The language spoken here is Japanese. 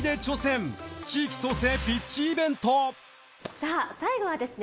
さあ最後はですね